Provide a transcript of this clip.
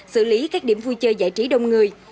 xử lý các điểm vui chơi giải trí đông người